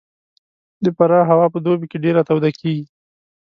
د فراه هوا په دوبي کې ډېره توده کېږي